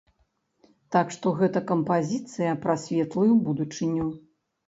Так што, гэта кампазіцыя пра светлую будучыню!